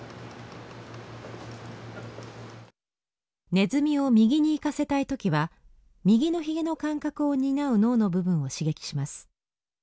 ネズミを右に行かせたい時は右のひげの感覚を担う脳の部分を刺激します。